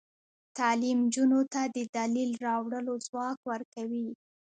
تعلیم نجونو ته د دلیل راوړلو ځواک ورکوي.